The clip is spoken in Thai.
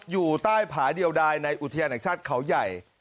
อยู่ใต้ผาเดียวใดในอุทยานแห่งชาติเขาใหญ่